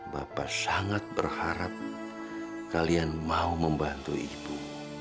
bapak sangat berharap kalian mau membantu ibu